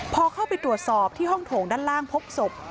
พอเข้าไปตรวจสอบที่ห้องโถงด้านล่างพบศพ